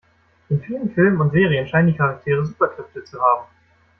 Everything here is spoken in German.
In vielen Filmen und Serien scheinen die Charaktere Superkräfte zu haben.